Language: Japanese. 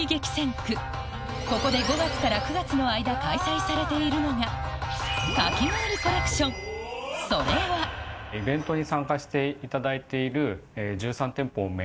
ここで５月から９月の間開催されているのがそれはイベントに参加していただいている。